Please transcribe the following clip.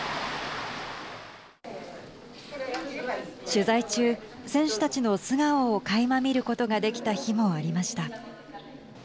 取材中、選手たちの素顔をかいま見ることができた日もありました。